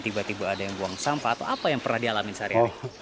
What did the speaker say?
tiba tiba ada yang buang sampah atau apa yang pernah dialamin sehari hari